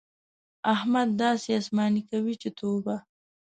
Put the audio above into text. احمد داسې اسماني کوي چې توبه!